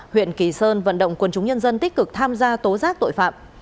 huyện kỳ sơn vận động quân chúng nhân dân tích cực tham gia tố giác tội phạm